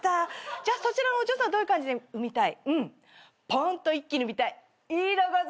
じゃあそちらのお嬢さんはどういう感じで産みたい？